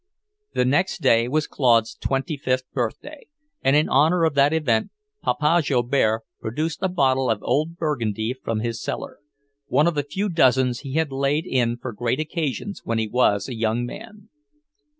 The next day was Claude's twenty fifth birthday, and in honour of that event Papa Joubert produced a bottle of old Burgundy from his cellar, one of a few dozens he had laid in for great occasions when he was a young man.